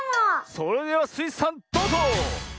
それではスイさんどうぞ！